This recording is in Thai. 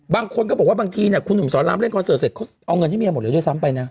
บางคนก็บอกว่าบางทีคุณหนุ่มสอนรามเล่นคอนเสิร์ตเสร็จเขาเอาเงินให้เมียหมดเลยด้วยซ้ำไปนะ